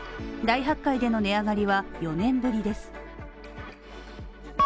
大発会での値上がりは４年ぶりです。